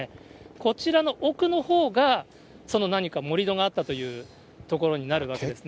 こちらの奥のほうが、その何か、盛り土があったという所になるわけですね。